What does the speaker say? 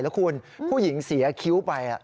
แล้วคุณผู้หญิงเสียคิ้วไป